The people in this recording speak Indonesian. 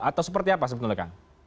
atau seperti apa sebenarnya